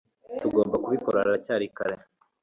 ntugomba kubikora haracyari kare